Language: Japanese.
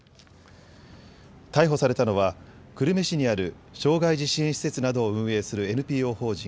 逮捕されたのは久留米市にある障害児支援施設などを運営するＮＰＯ法人